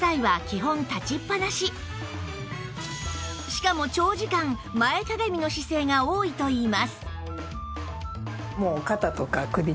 しかも長時間前かがみの姿勢が多いといいます